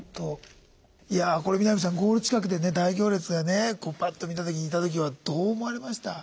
いやこれ南さんゴール近くで大行列がねパッと見た時にいた時はどう思われました？